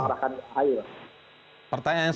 akan ahu pertanyaan yang